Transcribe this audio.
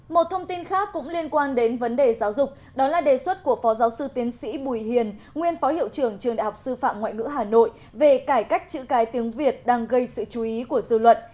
một thông tin khác cũng liên quan đến vấn đề giáo dục đó là đề xuất của phó giáo sư tiến sĩ bùi hiền nguyên phó hiệu trưởng trường đại học sư phạm ngoại ngữ hà nội về cải cách chữ cái tiếng việt đang gây sự chú ý của dư luận